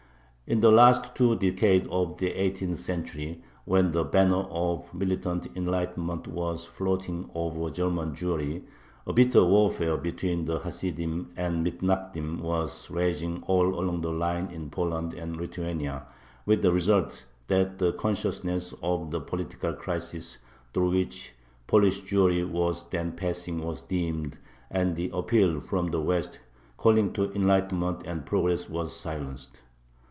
In the last two decades of the eighteenth century, when the banner of militant enlightenment was floating over German Jewry, a bitter warfare between the Hasidim and Mithnagdim was raging all along the line in Poland and Lithuania, with the result that the consciousness of the political crisis through which Polish Jewry was then passing was dimmed, and the appeal from the West calling to enlightenment and progress was silenced.